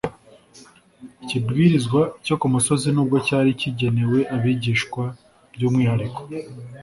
Ikibwirizwa cyo ku musozi' nubwo cyari kigenewe abigishwa by'umwihariko,